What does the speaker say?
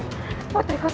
kau jauh lebih pantas